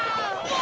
わ！